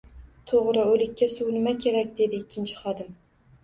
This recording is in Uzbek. — To‘g‘ri, o‘likka... suv nima kerak? — dedi ikkinchi xodim.